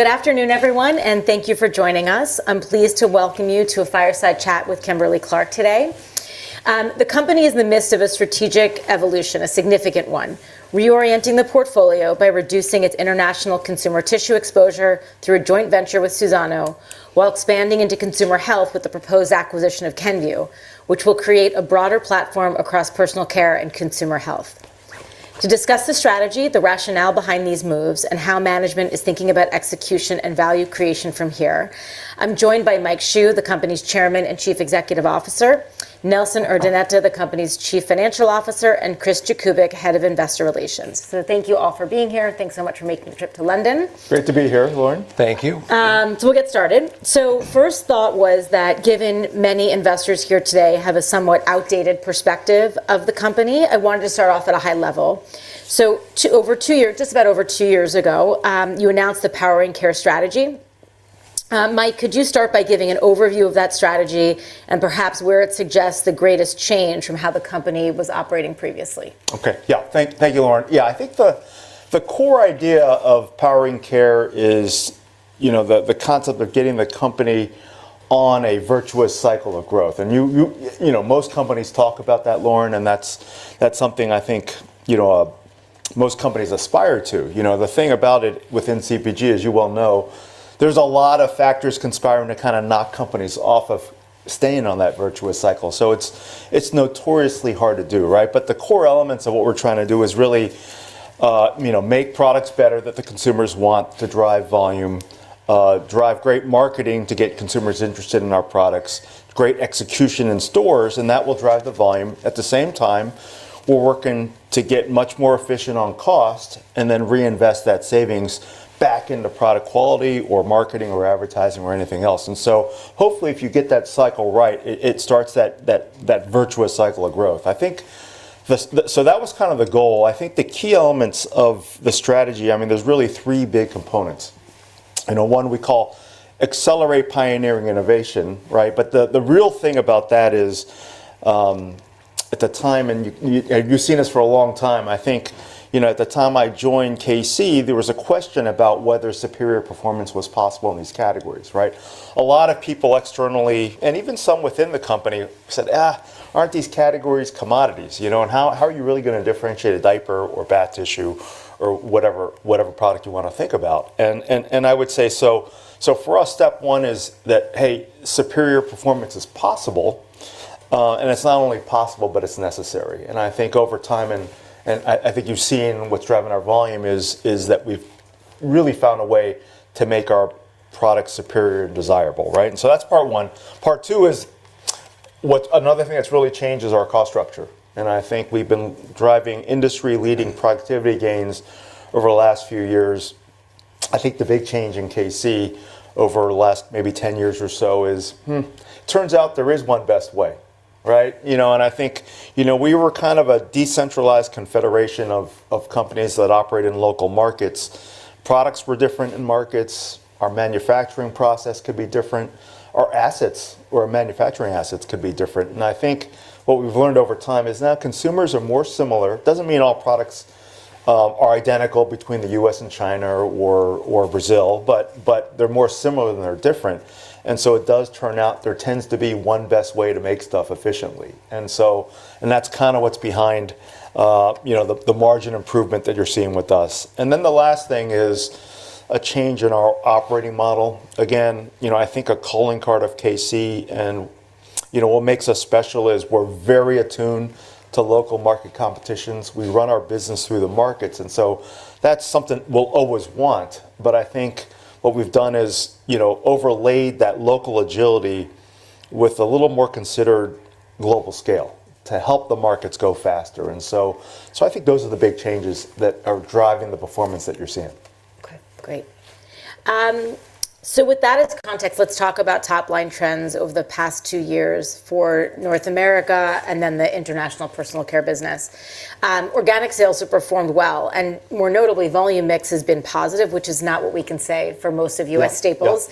Good afternoon, everyone, and thank you for joining us. I'm pleased to welcome you to a Fireside Chat with Kimberly-Clark today. The company is in the midst of a strategic evolution, a significant one, reorienting the portfolio by reducing its international consumer tissue exposure through a joint venture with Suzano while expanding into consumer health with the proposed acquisition of Kenvue, which will create a broader platform across personal care and consumer health. To discuss the strategy, the rationale behind these moves, and how management is thinking about execution and value creation from here, I'm joined by Mike Hsu, the company's Chairman and Chief Executive Officer, Nelson Urdaneta, the company's Chief Financial Officer, and Christ Jakubik, Head of Investor Relations. Thank you all for being here, and thanks so much for making the trip to London. Great to be here, Lauren. Thank you. We'll get started. First thought was that given many investors here today have a somewhat outdated perspective of the company, I wanted to start off at a high level. Just about over two years ago, you announced the Powering Care strategy. Mike, could you start by giving an overview of that strategy and perhaps where it suggests the greatest change from how the company was operating previously? Okay. Yeah. Thank you, Lauren. Yeah, I think the core idea of Powering Care is, you know, the concept of getting the company on a virtuous cycle of growth. You know, most companies talk about that, Lauren, and that's something I think, you know, most companies aspire to. You know, the thing about it within CPG, as you well know, there's a lot of factors conspiring to kinda knock companies off of staying on that virtuous cycle. It's notoriously hard to do, right? The core elements of what we're trying to do is really, you know, make products better that the consumers want to drive volume, drive great marketing to get consumers interested in our products, great execution in stores, and that will drive the volume. At the same time, we're working to get much more efficient on cost and then reinvest that savings back into product quality or marketing or advertising or anything else. Hopefully, if you get that cycle right, it starts that virtuous cycle of growth. I think that was kind of the goal. I think the key elements of the strategy, I mean, there's really three big components. You know, one we call Accelerate Pioneering Innovation, right? The real thing about that is, at the time, and you've seen this for a long time, I think, you know, at the time I joined K-C, there was a question about whether superior performance was possible in these categories, right? A lot of people externally, and even some within the company said, "Aren't these categories commodities?" You know? "How are you really gonna differentiate a diaper or bath tissue or whatever product you wanna think about?" I would say, so for us, step one is that, hey, superior performance is possible, and it's not only possible, but it's necessary. I think over time and I think you've seen what's driving our volume is that we've really found a way to make our product superior and desirable, right? That's part one. Part two is, what's another thing that's really changed is our cost structure, and I think we've been driving industry-leading productivity gains over the last few years. I think the big change in K-C over the last maybe 10 years or so is, turns out there is one best way, right? I think we were kind of a decentralized confederation of companies that operate in local markets. Products were different in markets, our manufacturing process could be different, our assets, our manufacturing assets could be different. I think what we've learned over time is now consumers are more similar. Doesn't mean all products are identical between the U.S. and China or Brazil, but they're more similar than they are different. It does turn out there tends to be one best way to make stuff efficiently. That's kind of what's behind the margin improvement that you're seeing with us. The last thing is a change in our operating model. You know, I think a calling card of K-C and, you know, what makes us special is we're very attuned to local market competitions. We run our business through the markets, that's something we'll always want. I think what we've done is, you know, overlaid that local agility with a little more considered global scale to help the markets go faster. I think those are the big changes that are driving the performance that you're seeing. Okay. Great. With that as context, let's talk about top line trends over the past years for North America and then the international personal care business. Organic sales have performed well, and more notably, volume mix has been positive, which is not what we can say for most of U.S. staples.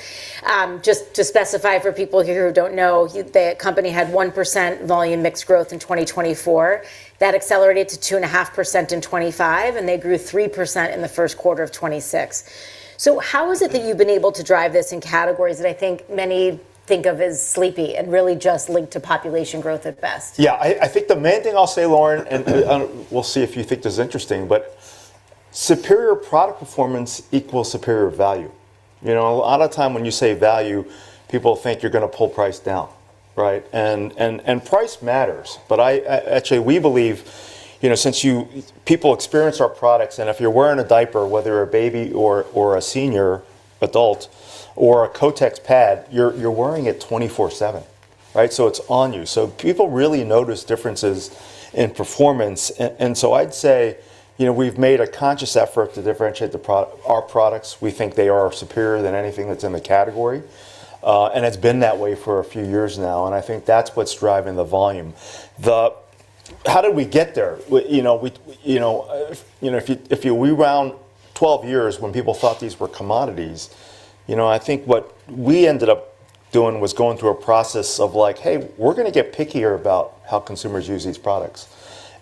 No. No. Just to specify for people here who don't know, you, the company had 1% volume mix growth in 2024. That accelerated to 2.5% in 2025, and they grew 3% in the first quarter of 2026. How is it that you've been able to drive this in categories that I think many think of as sleepy and really just linked to population growth at best? I think the main thing I'll say, Lauren, we'll see if you think this is interesting, superior product performance equals superior value. You know, a lot of time when you say value, people think you're gonna pull price down, right? Price matters, I actually, we believe, you know, since people experience our products, and if you're wearing a diaper, whether a baby or a senior adult, or a Kotex pad, you're wearing it 24/7, right? It's on you. People really notice differences in performance. I'd say, you know, we've made a conscious effort to differentiate our products. We think they are superior than anything that's in the category, it's been that way for a few years now, I think that's what's driving the volume. How did we get there? You know, we, you know, if you rewound 12 years when people thought these were commodities. You know, I think what we ended up doing was going through a process of like, "Hey, we're gonna get pickier about how consumers use these products."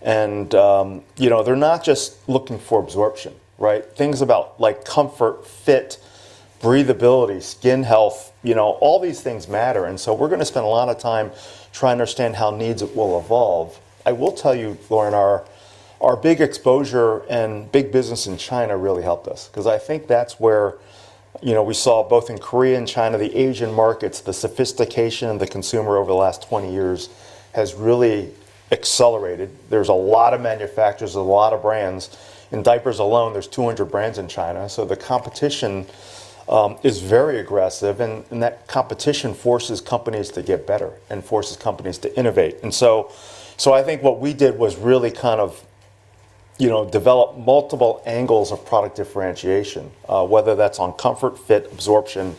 You know, they're not just looking for absorption, right? Things about, like, comfort, fit, breathability, skin health, you know, all these things matter. We're gonna spend a lot of time trying to understand how needs will evolve. I will tell you, Lauren, our big exposure and big business in China really helped us, 'cause I think that's where, you know, we saw both in Korea and China, the Asian markets, the sophistication of the consumer over the last 20 years has really accelerated. There's a lot of manufacturers, a lot of brands. In diapers alone, there's 200 brands in China, so the competition is very aggressive and that competition forces companies to get better and forces companies to innovate. I think what we did was really kind of, you know, develop multiple angles of product differentiation, whether that's on comfort, fit, absorption.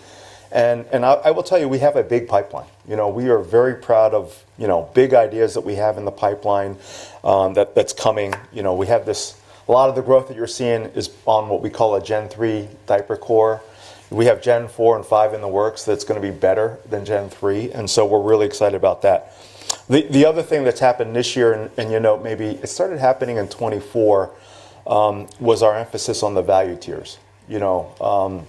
I will tell you, we have a big pipeline. You know, we are very proud of, you know, big ideas that we have in the pipeline that's coming. You know, a lot of the growth that you're seeing is on what we call a Gen 3 diaper core. We have Gen 4 and 5 in the works that's gonna be better than Gen 3. We're really excited about that. The other thing that's happened this year, you know, maybe it started happening in 2024, was our emphasis on the value tiers. You know,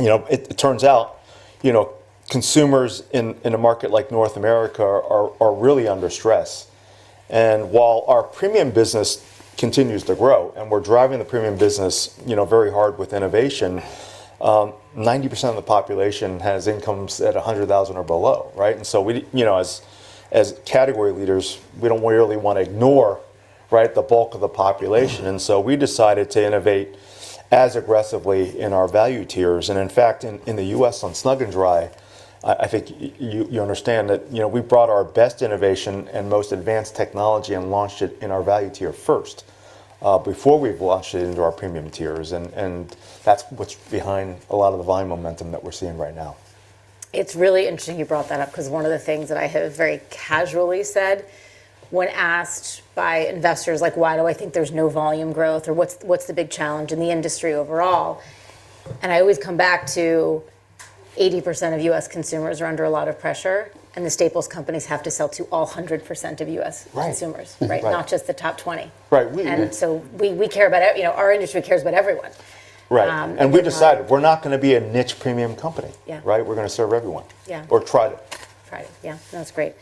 you know, it turns out, you know, consumers in a market like North America are really under stress. While our premium business continues to grow and we're driving the premium business, you know, very hard with innovation, 90% of the population has incomes at 100,000 or below, right? We, you know, as category leaders, we don't really wanna ignore, right, the bulk of the population. We decided to innovate as aggressively in our value tiers. In fact, in the U.S. on Snug & Dry, I think you understand that, you know, we brought our best innovation and most advanced technology and launched it in our value tier first, before we've launched it into our premium tiers, and that's what's behind a lot of the volume momentum that we're seeing right now. It's really interesting you brought that up, because one of the things that I have very casually said when asked by investors, like, why do I think there's no volume growth or what's the big challenge in the industry overall, and I always come back to 80% of U.S. consumers are under a lot of pressure, and the staples companies have to sell to all 100% of U.S.- Right consumers. Right. Not just the top 20. Right. We care about you know, our industry cares about everyone. Right. We decided we're not gonna be a niche premium company. Yeah. Right? We're gonna serve everyone. Yeah. Or try to. No, that's great.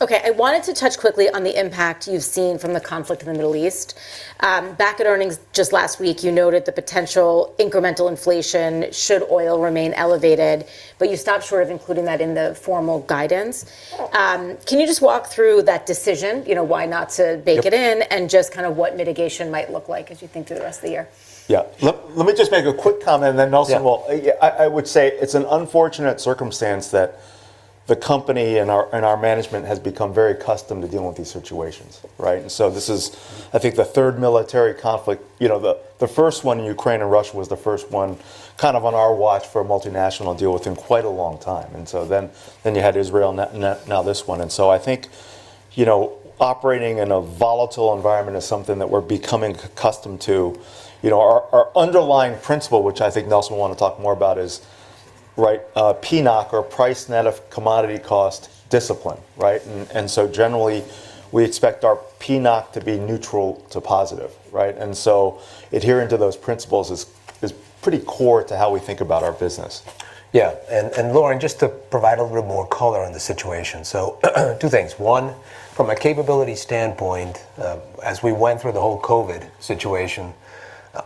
Okay, I wanted to touch quickly on the impact you've seen from the conflict in the Middle East. Back at earnings just last week, you noted the potential incremental inflation should oil remain elevated, but you stopped short of including that in the formal guidance. Can you just walk through that decision, you know, why not to bake it in? Yep Just kind of what mitigation might look like as you think through the rest of the year? Yeah. Let me just make a quick comment and then Nelson will- Yeah. I would say it's an unfortunate circumstance that the company and our management has become very accustomed to dealing with these situations, right? This is, I think, the third military conflict. You know, the first one in Ukraine and Russia was the first one kind of on our watch for a multinational deal within quite a long time. You had Israel, now this one. I think, you know, operating in a volatile environment is something that we're becoming accustomed to. You know, our underlying principle, which I think Nelson will wanna talk more about, is, right, PNOC or Price Net of Commodity Cost discipline, right? Generally, we expect our PNOC to be neutral to positive, right? Adhering to those principles is pretty core to how we think about our business. Lauren, just to provide a little more color on the situation. Two things. One, from a capability standpoint, as we went through the whole COVID situation,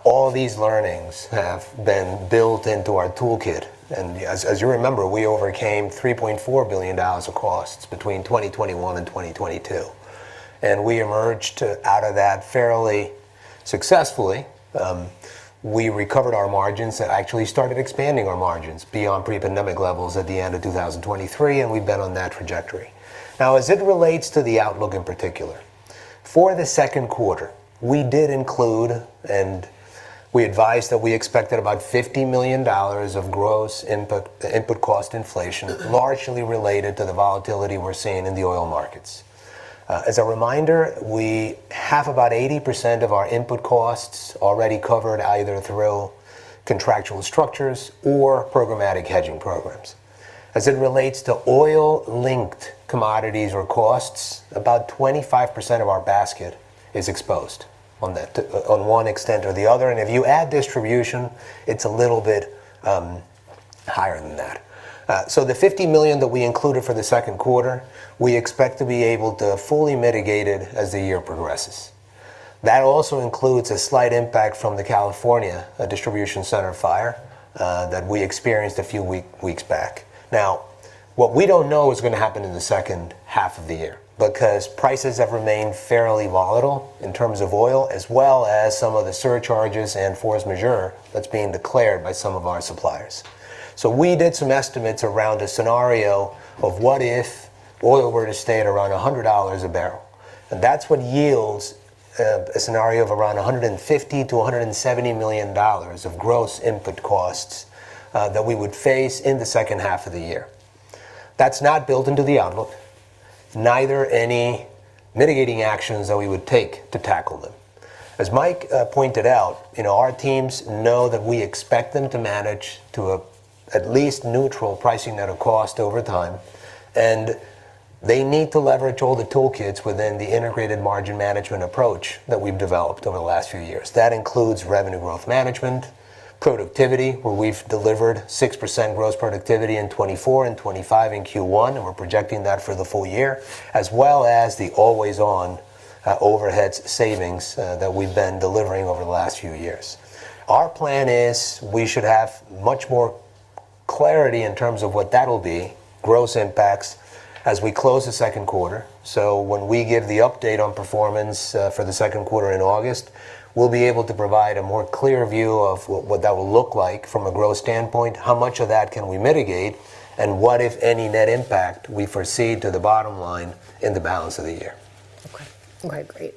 all these learnings have been built into our toolkit. As you remember, we overcame $3.4 billion of costs between 2021 and 2022, and we emerged out of that fairly successfully. We recovered our margins and actually started expanding our margins beyond pre-pandemic levels at the end of 2023, and we've been on that trajectory. As it relates to the outlook in particular, for the second quarter, we did include, and we advised that we expected about $50 million of gross input cost inflation, largely related to the volatility we're seeing in the oil markets. As a reminder, we have about 80% of our input costs already covered, either through contractual structures or programmatic hedging programs. As it relates to oil-linked commodities or costs, about 25% of our basket is exposed on that, on one extent or the other, and if you add distribution, it's a little bit higher than that. The $50 million that we included for the second quarter, we expect to be able to fully mitigate it as the year progresses. That also includes a slight impact from the California distribution center fire that we experienced a few weeks back. What we don't know is gonna happen in the second half of the year, because prices have remained fairly volatile in terms of oil, as well as some of the surcharges and force majeure that's being declared by some of our suppliers. We did some estimates around a scenario of what if oil were to stay at around $100 a barrel, and that's what yields a scenario of around $150 million-$170 million of gross input costs that we would face in the second half of the year. That's not built into the outlook, neither any mitigating actions that we would take to tackle them. As Mike pointed out, you know, our teams know that we expect them to manage to at least neutral pricing net of cost over time, and they need to leverage all the toolkits within the integrated margin management approach that we've developed over the last few years. That includes Revenue Growth Management, productivity, where we've delivered 6% gross productivity in 2024 and 2025 in Q1, and we're projecting that for the full year, as well as the always-on overhead savings that we've been delivering over the last few years. Our plan is we should have much more clarity in terms of what that'll be, gross impacts, as we close the second quarter. When we give the update on performance for the second quarter in August, we'll be able to provide a more clear view of what that will look like from a growth standpoint, how much of that can we mitigate, and what, if any, net impact we foresee to the bottom line in the balance of the year. All right, great.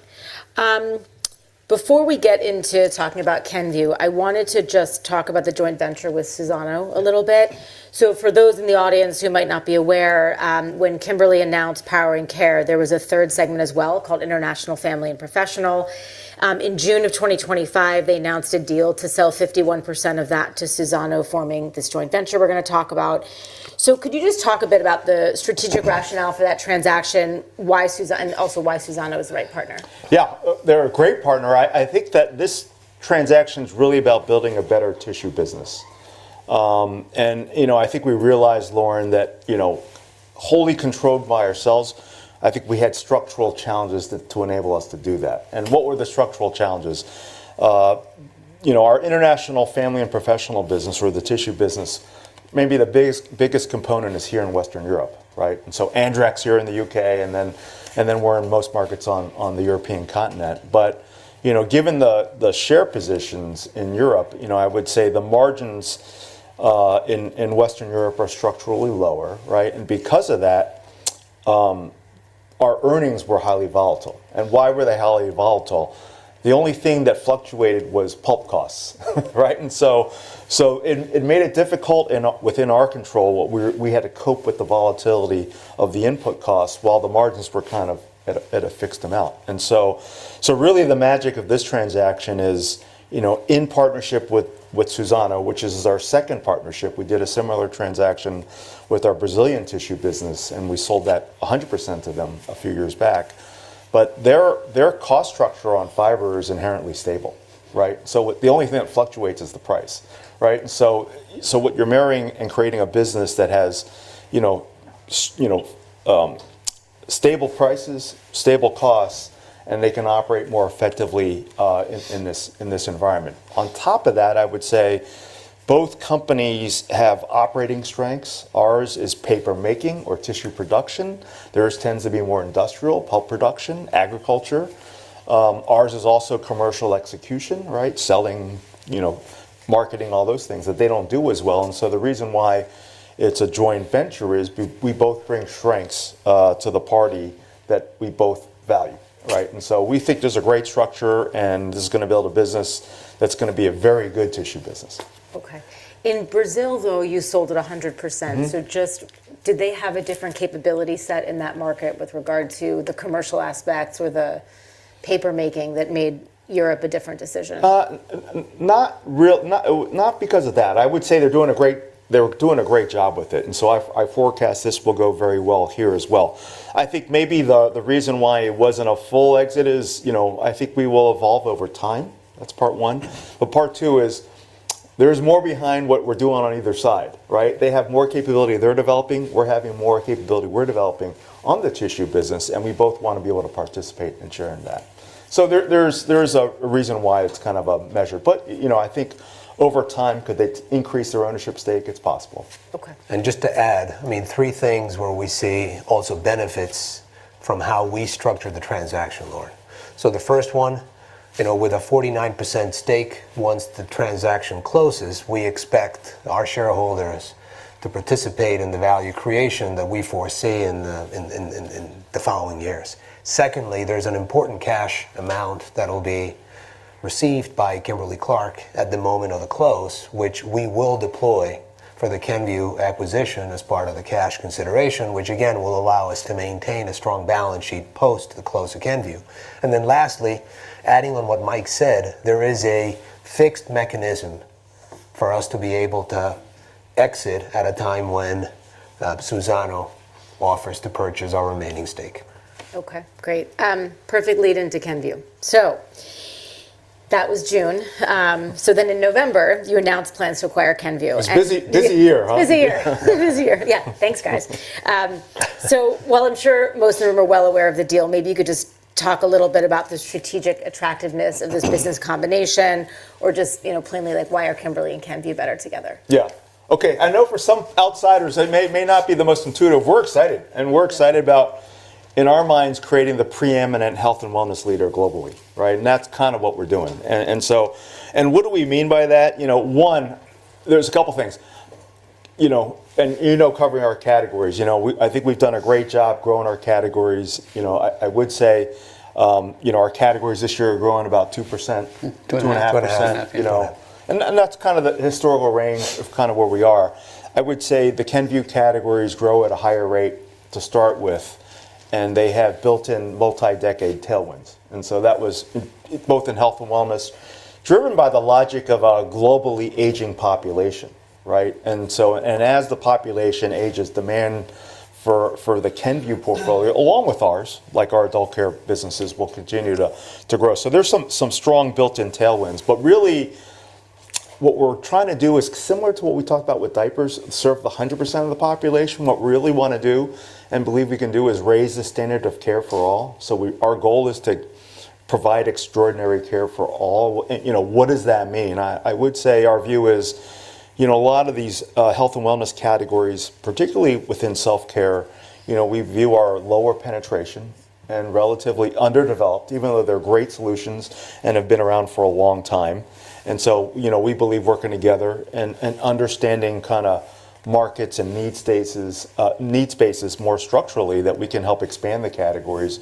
Before we get into talking about Kenvue, I wanted to just talk about the joint venture with Suzano a little bit. For those in the audience who might not be aware, when Kimberly-Clark announced Powering Care, there was a third segment as well called International Family and Professional. In June of 2025, they announced a deal to sell 51% of that to Suzano, forming this joint venture we're gonna talk about. Could you just talk a bit about the strategic rationale for that transaction, why Suzano and also why Suzano is the right partner? Yeah. They're a great partner. I think that this transaction's really about building a better tissue business. You know, I think we realized, Lauren, that, you know, wholly controlled by ourselves, I think we had structural challenges to enable us to do that. What were the structural challenges? You know, our International Family and Professional business, or the tissue business, maybe the biggest component is here in Western Europe, right? So Andrex here in the U.K., and then we're in most markets on the European continent. You know, given the share positions in Europe, you know, I would say the margins in Western Europe are structurally lower, right? Because of that, our earnings were highly volatile. Why were they highly volatile? The only thing that fluctuated was pulp costs, right? It made it difficult within our control, we had to cope with the volatility of the input costs while the margins were kind of at a fixed amount. Really the magic of this transaction is, you know, in partnership with Suzano, which is our second partnership, we did a similar transaction with our Brazilian tissue business, and we sold that 100% to them a few years back. Their cost structure on fiber is inherently stable, right? The only thing that fluctuates is the price, right? What you're marrying and creating a business that has, you know, stable prices, stable costs, and they can operate more effectively in this environment. On top of that, I would say both companies have operating strengths. Ours is paper making or tissue production. Theirs tends to be more industrial, pulp production, agriculture. Ours is also commercial execution, right? Selling, you know, marketing, all those things that they don't do as well. The reason why it's a joint venture is we both bring strengths to the party that we both value, right? We think there's a great structure, and this is gonna build a business that's gonna be a very good tissue business. Okay. In Brazil, though, you sold it 100%. Just did they have a different capability set in that market with regard to the commercial aspects or the paper making that made Europe a different decision? Not because of that. I would say they're doing a great job with it. I forecast this will go very well here as well. I think maybe the reason why it wasn't a full exit is, you know, I think we will evolve over time. That's part one. Part two is there's more behind what we're doing on either side, right? They have more capability they're developing. We're having more capability we're developing on the tissue business. We both wanna be able to participate and share in that. There's a reason why it's kind of a measure. You know, I think over time could they increase their ownership stake? It's possible. Okay. Just to add, I mean, three things where we see also benefits from how we structured the transaction, Lauren. The first one, you know, with a 49% stake, once the transaction closes, we expect our shareholders to participate in the value creation that we foresee in the following years. Secondly, there's an important cash amount that'll be received by Kimberly-Clark at the moment of the close, which we will deploy for the Kenvue acquisition as part of the cash consideration, which again, will allow us to maintain a strong balance sheet post the close of Kenvue. Lastly, adding on what Mike said, there is a fixed mechanism for us to be able to exit at a time when Suzano offers to purchase our remaining stake. Okay, great. Perfect lead-in to Kenvue. That was June. In November, you announced plans to acquire Kenvue. It was a busy year, huh? Busy year. Yeah. Thanks, guys. While I'm sure most of the room are well aware of the deal, maybe you could just talk a little bit about the strategic attractiveness of this business combination, or just, you know, plainly, like, why are Kimberly-Clark and Kenvue better together? Yeah. Okay. I know for some outsiders, it may not be the most intuitive. We're excited, and we're excited about, in our minds, creating the preeminent health and wellness leader globally, right? That's kind of what we're doing. What do we mean by that? You know, one, there's a couple things. You know, covering our categories, you know? I think we've done a great job growing our categories. You know, I would say, you know, our categories this year are growing about 2%. 2.5%. 2.5%. You know, that's kinda the historical range of kinda where we are. I would say the Kenvue categories grow at a higher rate to start with, they have built-in multi-decade tailwinds. That was both in health and wellness, driven by the logic of a globally aging population, right? As the population ages, demand for the Kenvue portfolio, along with ours, like our adult care businesses, will continue to grow. There's some strong built-in tailwinds. Really, what we're trying to do is similar to what we talked about with diapers, serve the 100% of the population. What we really wanna do and believe we can do is raise the standard of care for all. Our goal is to provide extraordinary care for all. You know, what does that mean? I would say our view is, you know, a lot of these health and wellness categories, particularly within self-care, you know, we view are lower penetration and relatively underdeveloped, even though they're great solutions and have been around for a long time. So, you know, we believe working together and understanding kinda markets and need spaces, need spaces more structurally, that we can help expand the categories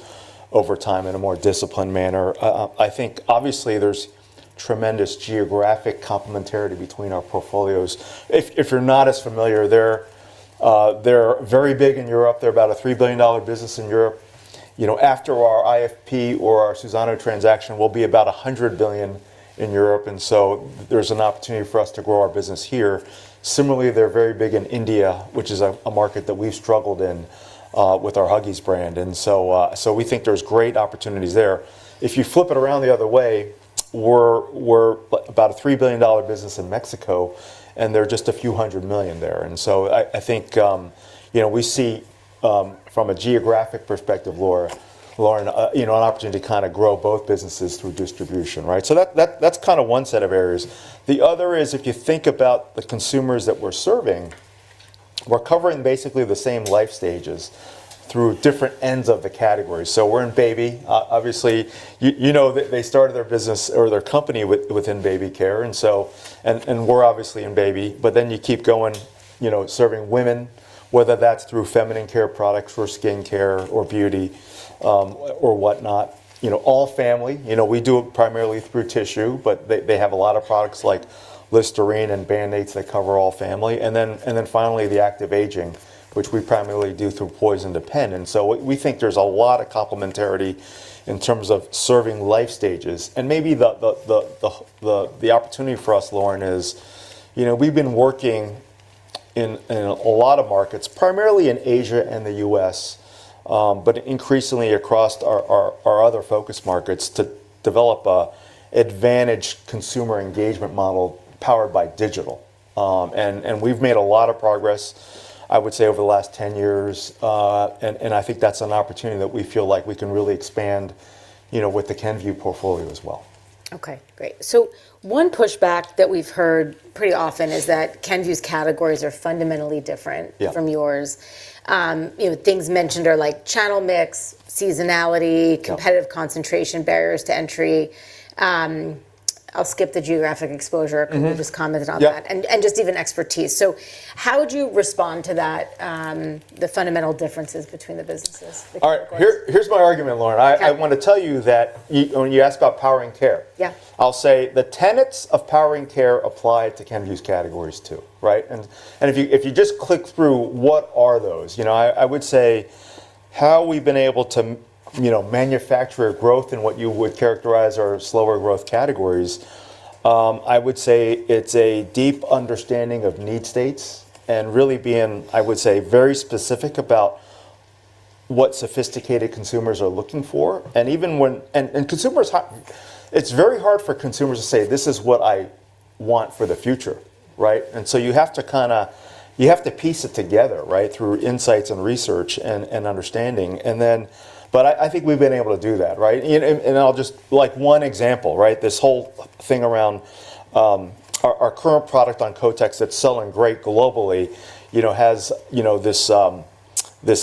over time in a more disciplined manner. I think obviously there's tremendous geographic complementarity between our portfolios. If you're not as familiar, they're very big in Europe. They're about a $3 billion business in Europe. You know, after our IFP or our Suzano transaction, we'll be about $100 billion in Europe, so there's an opportunity for us to grow our business here. Similarly, they're very big in India, which is a market that we've struggled in with our Huggies brand. We think there's great opportunities there. If you flip it around the other way, we're about a $3 billion business in Mexico, they're just a few hundred million USD there. I think, you know, we see from a geographic perspective, Lauren, you know, an opportunity to kind of grow both businesses through distribution, right? That's kind of one set of areas. The other is if you think about the consumers that we're serving, we're covering basically the same life stages through different ends of the category. We're in baby. Obviously, you know they started their business or their company within baby care, and we're obviously in baby. You keep going, you know, serving women, whether that's through feminine care products or skincare or beauty, or whatnot. You know, all family. You know, we do it primarily through tissue, but they have a lot of products like Listerine and Band-Aids that cover all family. Finally, the active aging, which we primarily do through Poise and Depend. We think there's a lot of complementarity in terms of serving life stages. Maybe the opportunity for us, Lauren, is, you know, we've been working in a lot of markets, primarily in Asia and the U.S., but increasingly across our other Focused Markets to develop a advantage consumer engagement model powered by digital. We've made a lot of progress, I would say, over the last 10 years. I think that's an opportunity that we feel like we can really expand, you know, with the Kenvue portfolio as well. Okay. Great. One pushback that we've heard pretty often is that Kenvue's categories are fundamentally different- Yeah From yours. You know, things mentioned are, like, channel mix, seasonality. Yeah Competitive concentration, barriers to entry. I'll skip the geographic exposure. We just commented on that. Yeah. Just even expertise. How would you respond to that, the fundamental differences between the businesses, the categories? All right. Here's my argument, Lauren. Okay. I wanna tell you that when you ask about Powering Care. Yeah I'll say the tenets of Powering Care apply to Kenvue's categories too, right? If you just click through, what are those? You know, I would say how we've been able to you know, manufacture growth in what you would characterize are slower growth categories, I would say it's a deep understanding of need states and really being, I would say, very specific about what sophisticated consumers are looking for. Consumers, it's very hard for consumers to say, "This is what I want for the future," right? You have to kinda piece it together, right, through insights and research and understanding. I think we've been able to do that, right? Like one example, right? This whole thing around our current product on Kotex that's selling great globally, you know, has, you know, this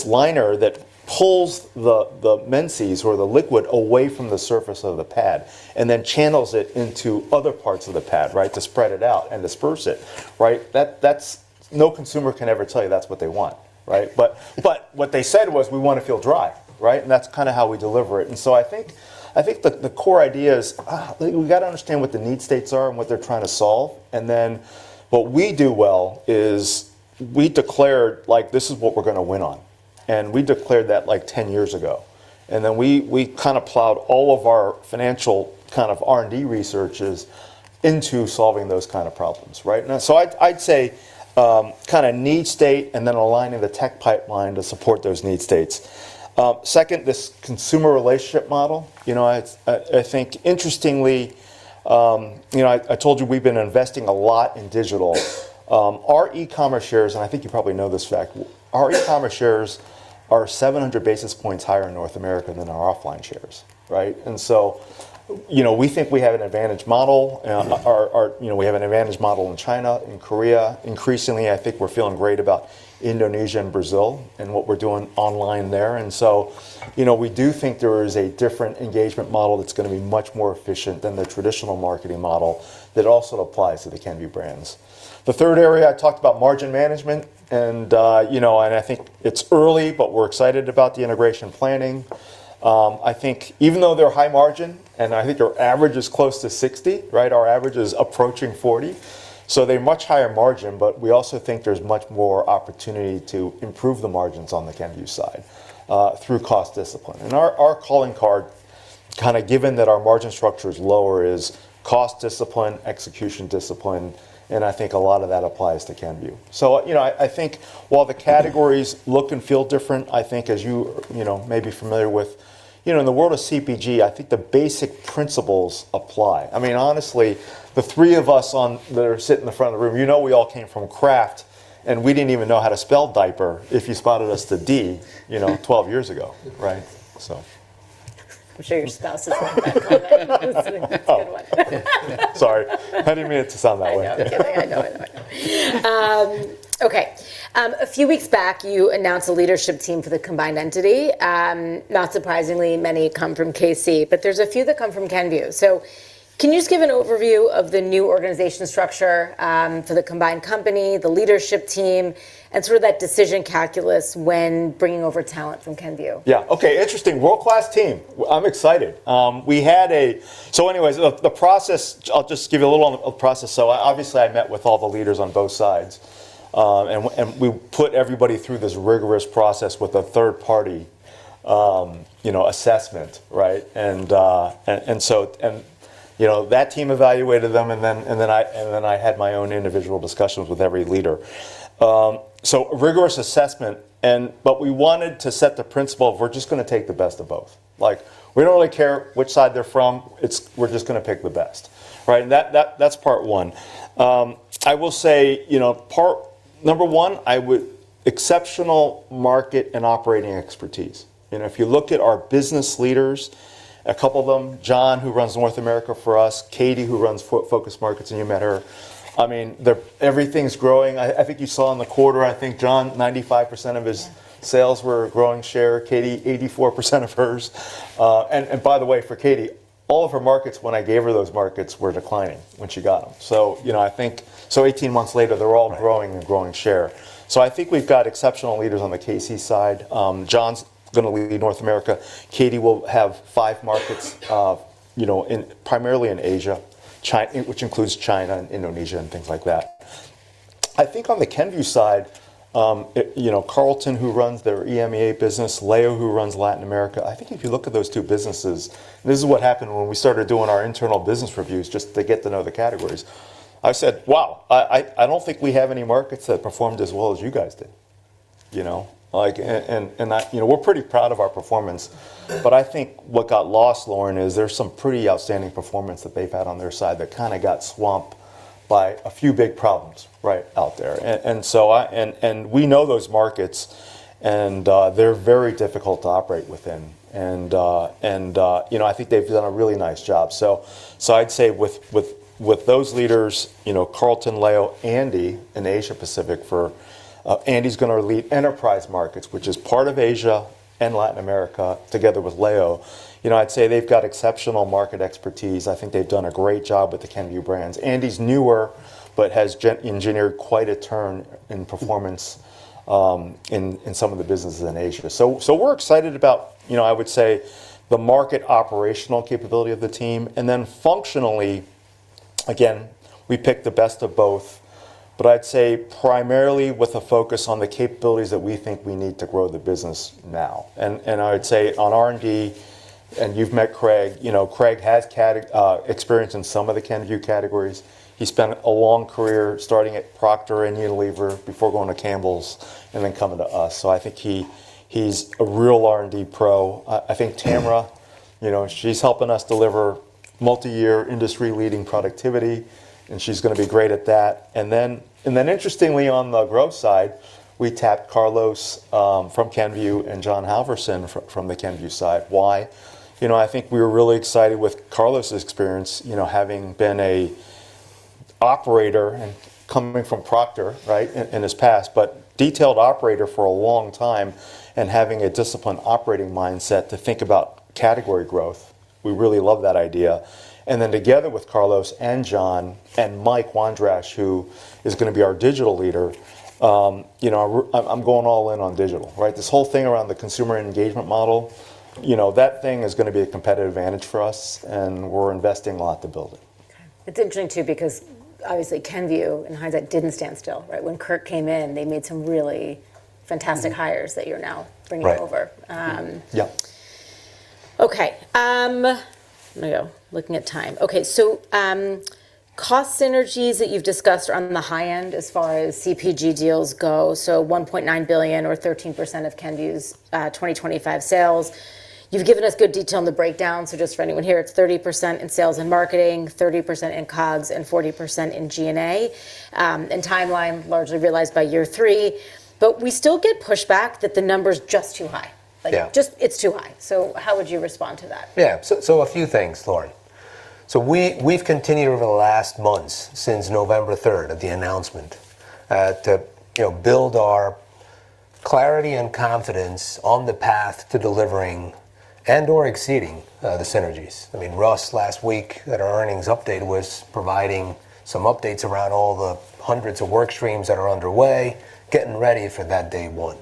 liner that pulls the menses or the liquid away from the surface of the pad and then channels it into other parts of the pad, right, to spread it out and disperse it, right? That's No consumer can ever tell you that's what they want, right? What they said was, "We wanna feel dry," right? That's kinda how we deliver it. I think the core idea is we gotta understand what the need states are and what they're trying to solve. What we do well is we declared, like, "This is what we're gonna win on," and we declared that, like, ten years ago. Then we kinda plowed all of our financial kind of R&D researches into solving those kind of problems, right? So I'd say, kinda need state and then aligning the tech pipeline to support those need states. Second, this consumer relationship model. You know, I think interestingly, you know, I told you we've been investing a lot in digital. Our e-commerce shares, and I think you probably know this fact, our e-commerce shares are 700 basis points higher in North America than our offline shares, right? So, you know, we think we have an advantage model. Our, you know, we have an advantage model in China, in Korea. Increasingly, I think we're feeling great about Indonesia and Brazil and what we're doing online there. You know, we do think there is a different engagement model that's gonna be much more efficient than the traditional marketing model that also applies to the Kenvue brands. The third area, I talked about margin management. You know, I think it's early, but we're excited about the integration planning. I think even though they're high margin, I think our average is close to 60, right? Our average is approaching 40, so they're much higher margin, but we also think there's much more opportunity to improve the margins on the Kenvue side through cost discipline. Our calling card kind of given that our margin structure is lower is cost discipline, execution discipline, and I think a lot of that applies to Kenvue. You know, I think while the categories look and feel different, I think as you know, may be familiar with, you know, in the world of CPG, I think the basic principles apply. Honestly, the three of us that are sit in the front of the room, you know we all came from Kraft, and we didn't even know how to spell diaper if you spotted as the D, you know, 12 years ago, right? I'm sure your spouse is like, "I know that you know this. Oh. That's a good one. Sorry. I didn't mean it to sound that way. I know. I'm kidding. I know, I know, I know. Okay. A few weeks back, you announced a leadership team for the combined entity. Not surprisingly, many come from K-C, there's a few that come from Kenvue. Can you just give an overview of the new organization structure for the combined company, the leadership team, and sort of that decision calculus when bringing over talent from Kenvue? Yeah. Okay. Interesting. World-class team. I'm excited. The process, I'll just give you a little on the process. Obviously, I met with all the leaders on both sides. We put everybody through this rigorous process with a third party, you know, assessment, right? You know, that team evaluated them, and then I had my own individual discussions with every leader. Rigorous assessment, but we wanted to set the principle of we're just gonna take the best of both. Like, we don't really care which side they're from. It's we're just gonna pick the best, right? That's part one. I will say, you know, part number one, exceptional market and operating expertise. You know, if you looked at our business leaders, a couple of them, Jon, who runs North America for us, Katy, who runs Focused Markets, and you met her. I mean, everything's growing. I think you saw in the quarter, I think Jon, 95% of his sales were growing share. Katy, 84% of hers. And by the way, for Katy, all of her markets when I gave her those markets were declining when she got them. You know, I think 18 months later, they're all growing and growing share. I think we've got exceptional leaders on the K-C side. Jon's gonna lead North America. Katy will have five markets, you know, primarily in Asia, which includes China and Indonesia and things like that. I think on the Kenvue side, you know, Carlton, who runs their EMEA business, Leo, who runs Latin America, I think if you look at those two businesses, this is what happened when we started doing our internal business reviews just to get to know the categories. I said, "Wow, I don't think we have any markets that performed as well as you guys did." You know, like. You know, we're pretty proud of our performance, but I think what got lost, Lauren, is there's some pretty outstanding performance that they've had on their side that kinda got swamped by a few big problems, right, out there. We know those markets, and they're very difficult to operate within. You know, I think they've done a really nice job. I'd say with those leaders, you know, Carlton, Leo, Andy in Asia Pacific for, Andy's gonna lead enterprise markets, which is part of Asia and Latin America together with Leo. I'd say they've got exceptional market expertise. I think they've done a great job with the Kenvue brands. Andy's newer, but has engineered quite a turn in performance in some of the businesses in Asia. We're excited about, you know, I would say, the market operational capability of the team, functionally, again, we pick the best of both. I'd say primarily with a focus on the capabilities that we think we need to grow the business now. I would say on R&D, you've met Craig. Craig has experience in some of the Kenvue categories. He spent a long career starting at Procter & Gamble and Unilever before going to Campbell's and then coming to us. I think he's a real R&D pro. I think Tamara, you know, she's helping us deliver multi-year industry leading productivity, and she's gonna be great at that. Interestingly, on the growth side, we tapped Carlos from Kenvue and Jon Halvorson from the Kenvue side. Why? You know, I think we were really excited with Carlos's experience, you know, having been a operator and coming from Procter & Gamble, right, in his past, but detailed operator for a long time and having a disciplined operating mindset to think about category growth. We really love that idea. Together with Carlos and Jon and Mike Wondrasch, who is gonna be our digital leader, you know, I'm going all in on digital, right? This whole thing around the consumer engagement model, you know, that thing is going to be a competitive advantage for us, and we're investing a lot to build it. It's interesting, too, because obviously Kenvue and Hans didn't stand still, right? When Kirk came in, they made some really fantastic hires that you're now bringing over. Right. Yeah. Let me go. Looking at time. Cost synergies that you've discussed are on the high end as far as CPG deals go, $1.9 billion or 13% of Kenvue's 2025 sales. You've given us good detail on the breakdown, just for anyone here, it's 30% in sales and marketing, 30% in COGS, and 40% in G&A, and timeline largely realized by year three. We still get pushback that the number's just too high. Yeah. Like, just it's too high. How would you respond to that? Yeah. A few things, Lauren. We've continued over the last months since November third of the announcement, to, you know, build our clarity and confidence on the path to delivering and or exceeding the synergies. I mean, Russ, last week at our earnings update, was providing some updates around all the hundreds of work streams that are underway, getting ready for that day one.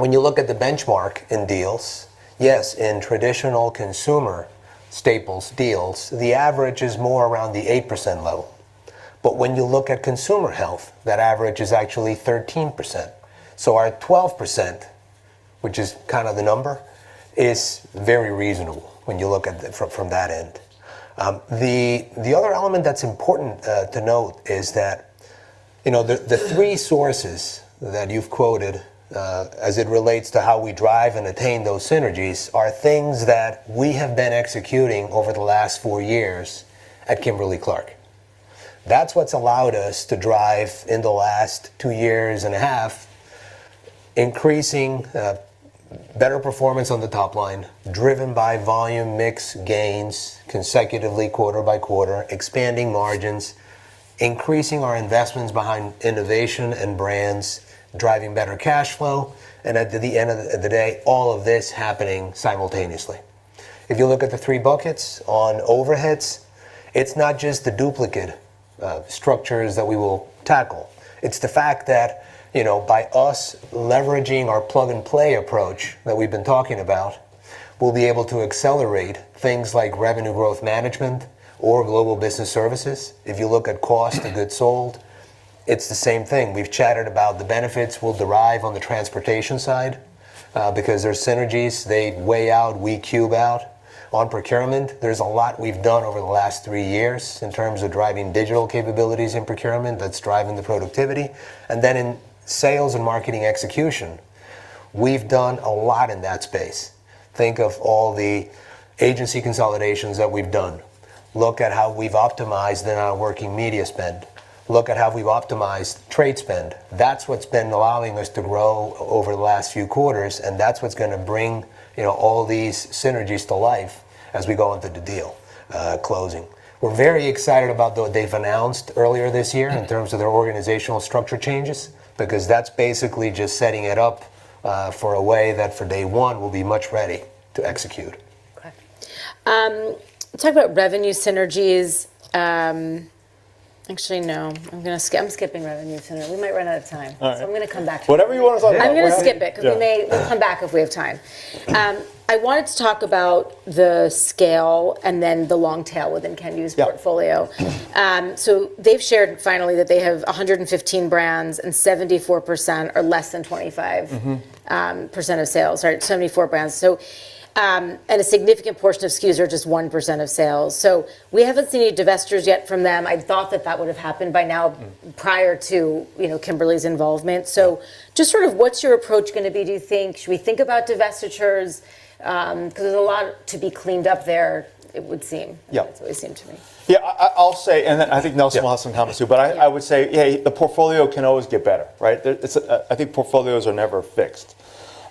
You look at the benchmark in deals, yes, in traditional consumer staples deals, the average is more around the 8% level. When you look at consumer health, that average is actually 13%. Our 12%, which is kind of the number, is very reasonable when you look at it from that end. The other element that's important to note is that, you know, the three sources that you've quoted as it relates to how we drive and attain those synergies are things that we have been executing over the last four years at Kimberly-Clark. That's what's allowed us to drive in the last two and a half years, increasing better performance on the top line, driven by volume mix gains consecutively quarter by quarter, expanding margins, increasing our investments behind innovation and brands, driving better cash flow, and at the end of the day, all of this happening simultaneously. If you look at the three buckets on overheads, it's not just the duplicate structures that we will tackle. It's the fact that, you know, by us leveraging our plug-and-play approach that we've been talking about, we'll be able to accelerate things like Revenue Growth Management or Global Business Services. If you look at cost of goods sold, it's the same thing. We've chatted about the benefits we'll derive on the transportation side, because there's synergies, they weigh out, we cube out. On procurement, there's a lot we've done over the last three years in terms of driving digital capabilities in procurement that's driving the productivity, and then in sales and marketing execution, we've done a lot in that space. Think of all the agency consolidations that we've done. Look at how we've optimized in our working media spend. Look at how we've optimized trade spend. That's what's been allowing us to grow over the last few quarters, and that's what's gonna bring, you know, all these synergies to life as we go into the deal closing. We're very excited about what they've announced earlier this year in terms of their organizational structure changes, because that's basically just setting it up for a way that for day one, we'll be much ready to execute. Okay. Talk about revenue synergies. Actually, no, I'm skipping revenue synergy. We might run out of time. All right. I'm gonna come back to that. Whatever you want to talk about. I'm gonna skip it. Yeah 'Cause we'll come back if we have time. I wanted to talk about the scale and then the long tail within Kenvue's portfolio. Yeah. They've shared finally that they have 115 brands, and 74% are less than 25%. percent of sales, right? 74 brands. A significant portion of SKUs are just 1% of sales. We haven't seen any divestitures yet from them. I'd thought that that would have happened by now. Prior to, you know, Kimberly's involvement. Just sort of what's your approach gonna be, do you think? Should we think about divestitures? 'Cause there's a lot to be cleaned up there, it would seem. Yeah. That's what it seemed to me. Yeah, I'll say, I think Nelson will have some comments too. I would say, yeah, the portfolio can always get better, right? I think portfolios are never fixed.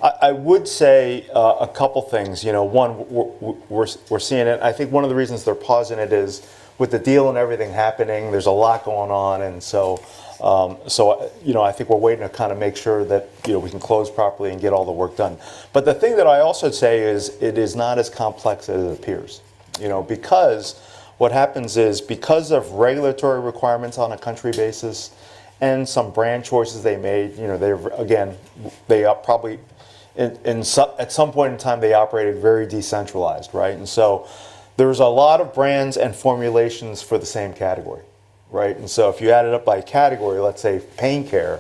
I would say a couple things. You know, one, we're seeing it. I think one of the reasons they're pausing it is with the deal and everything happening, there's a lot going on. You know, I think we're waiting to kinda make sure that, you know, we can close properly and get all the work done. The thing that I also say is it is not as complex as it appears, you know. What happens is, because of regulatory requirements on a country basis and some brand choices they made, you know, they're, again, they are probably at some point in time, they operated very decentralized, right? There's a lot of brands and formulations for the same category, right? If you add it up by category, let's say pain care,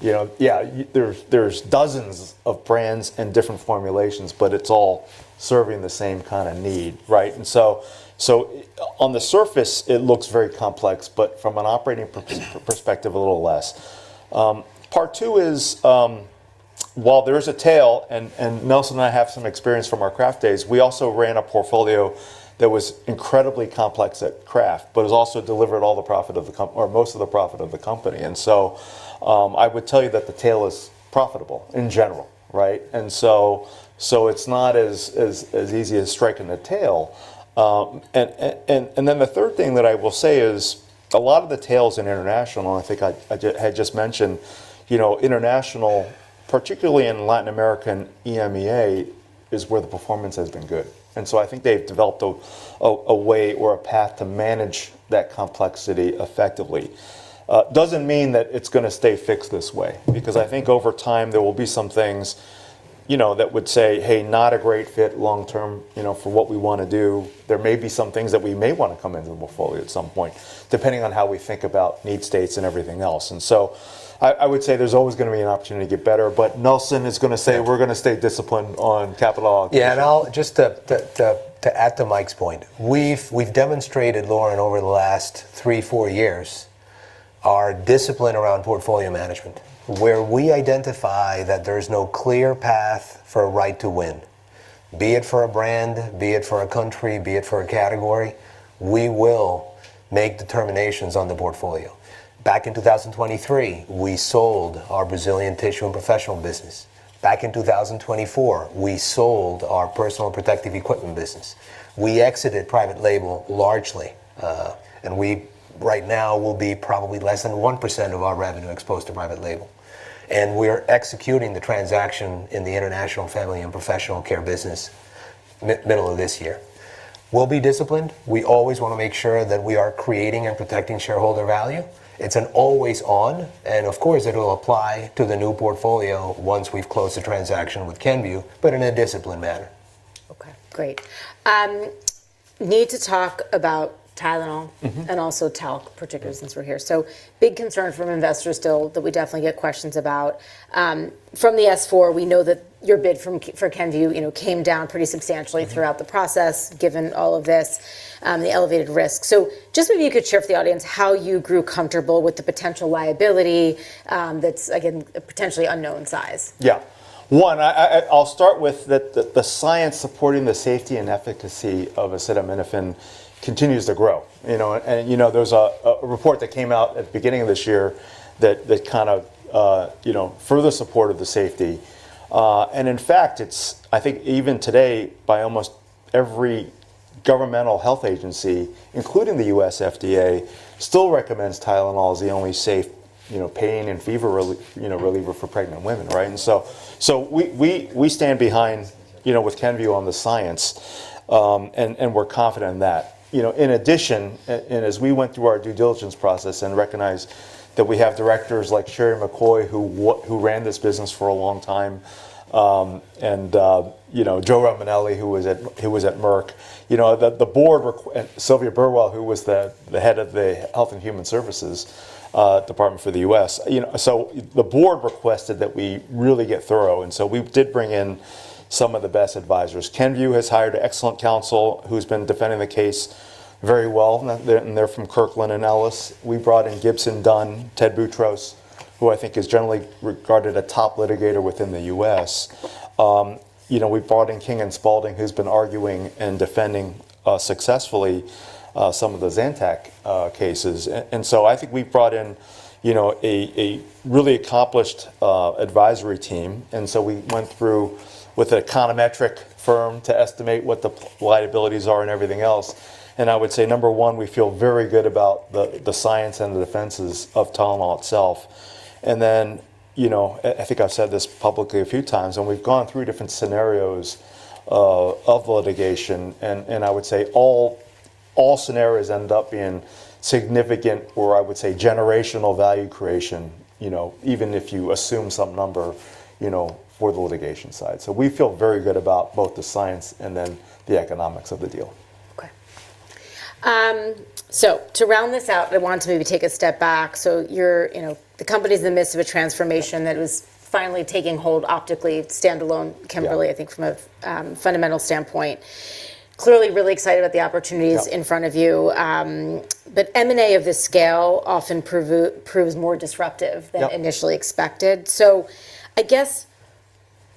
you know, yeah, there's dozens of brands and different formulations, but it's all serving the same kinda need, right? On the surface, it looks very complex, but from an operating perspective, a little less. Part two is, while there is a tail, and Nelson and I have some experience from our Kraft days, we also ran a portfolio that was incredibly complex at Kraft, but it also delivered all the profit of the company or most of the profit of the company. I would tell you that the tail is profitable in general, right? and then the third thing that I will say is a lot of the tail's in international, and I think I had just mentioned, you know, international, particularly in Latin American and EMEA, is where the performance has been good. I think they've developed a way or a path to manage that complexity effectively. Doesn't mean that it's gonna stay fixed this way, because I think over time, there will be some things, you know, that would say, "Hey, not a great fit long term, you know, for what we wanna do." There may be some things that we may wanna come into the portfolio at some point, depending on how we think about need states and everything else. I would say there's always gonna be an opportunity to get better, but Nelson is gonna say we're gonna stay disciplined on capital allocation. Just to add to Mike point, we've demonstrated, Lauren, over the last three, four years, our discipline around portfolio management. Where we identify that there's no clear path for a right to win, be it for a brand, be it for a country, be it for a category, we will make determinations on the portfolio. Back in 2023, we sold our Brazilian tissue and professional business. Back in 2024, we sold our personal protective equipment business. We exited private label largely. We right now will be probably less than 1% of our revenue exposed to private label. We're executing the transaction in the International Family and Professional Care business middle of this year. We'll be disciplined. We always wanna make sure that we are creating and protecting shareholder value. It's an always on, and of course, it'll apply to the new portfolio once we've closed the transaction with Kenvue, but in a disciplined manner. Okay. Great. Need to talk about Tylenol. Also Talc, particularly since we're here. Big concern from investors still that we definitely get questions about. From the S-4, we know that your bid from K-C for Kenvue, you know, came down pretty substantially. throughout the process, given all of this, the elevated risk. Just maybe you could share with the audience how you grew comfortable with the potential liability, that's again, a potentially unknown size. One, I'll start with the science supporting the safety and efficacy of acetaminophen continues to grow, you know, there was a report that came out at the beginning of this year that kind of, you know, further supported the safety. In fact, it's, I think even today by almost every governmental health agency, including the U.S. FDA, still recommends Tylenol as the only safe, you know, pain and fever reliever, you know, for pregnant women, right? So we stand behind, you know, with Kenvue on the science and we're confident in that. In addition, and as we went through our due diligence process and recognized that we have directors like Sheri McCoy who ran this business for a long time, and Joseph Romanelli, who was at, who was at Merck, and Sylvia Mathews Burwell, who was the head of the Department of Health and Human Services for the U.S. The board requested that we really get thorough, and so we did bring in some of the best advisors. Kenvue has hired excellent counsel, who's been defending the case very well. They're from Kirkland & Ellis. We brought in Gibson Dunn, Theodore Boutrous, who I think is generally regarded a top litigator within the U.S. You know, we brought in King & Spalding, who's been arguing and defending successfully some of the Zantac cases. I think we brought in, you know, a really accomplished advisory team. We went through with an econometric firm to estimate what the liabilities are and everything else. I would say, number one, we feel very good about the science and the defenses of Tylenol itself. Then, you know, I think I've said this publicly a few times, and we've gone through different scenarios of litigation, I would say all scenarios end up being significant or I would say generational value creation, you know, even if you assume some number, you know, for the litigation side. We feel very good about both the science and then the economics of the deal. Okay. To round this out, I want to maybe take a step back. You know, the company's in the midst of a transformation that is finally taking hold optically standalone Kimberly- Yeah I think from a, fundamental standpoint. Clearly really excited about the opportunities. Yeah In front of you. M&A of this scale often proves more disruptive. Yeah Than initially expected. I guess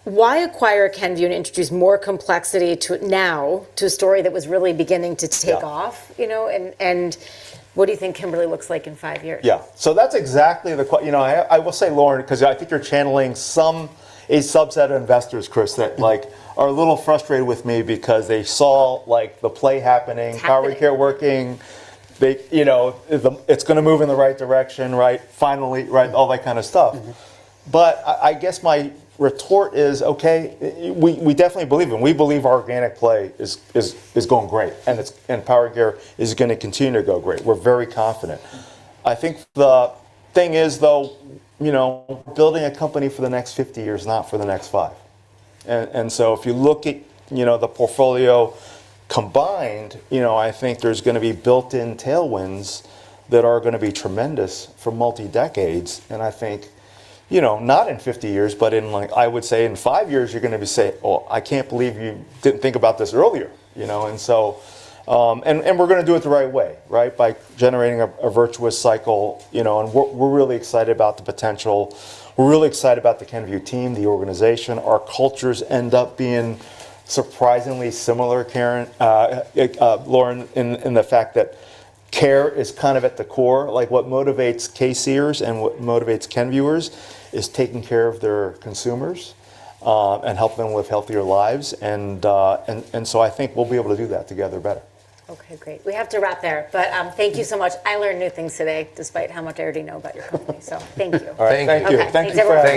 why acquire Kenvue and introduce more complexity to it now, to a story that was really beginning to take off? Yeah. You know? What do you think Kimberly-Clark looks like in five years? Yeah. That's exactly the que-, you know, I will say, Lauren, 'cause I think you're channeling a subset of investors, Chrisake. Are a little frustrated with me because they saw like the play happening. It's happening. Powering Care working. They, you know, it's gonna move in the right direction, right? Finally, right? All that kind of stuff. I guess my retort is, okay, we definitely believe in, we believe our organic play is going great, and Powering Care is going to continue to go great. We're very confident. I think the thing is though, you know, we're building a company for the next 50 years, not for the next five. If you look at, you know, the portfolio combined, you know, I think there's going to be built-in tailwinds that are going to be tremendous for multi-decades. I think, you know, not in 50 years, but in like I would say in five years, you're going to be saying, "Oh, I can't believe you didn't think about this earlier." You know? And we're going to do it the right way, right? By generating a virtuous cycle, you know, and we're really excited about the potential. We're really excited about the Kenvue team, the organization. Our cultures end up being surprisingly similar, Lauren, in the fact that care is kind of at the core. Like what motivates K-sters and what motivates Kenvuers is taking care of their consumers and helping them live healthier lives. I think we'll be able to do that together better. Okay. Great. We have to wrap there. Thank you so much. I learned new things today, despite how much I already know about your company. Thank you. All right. Thank you. Okay. Thank you, everyone.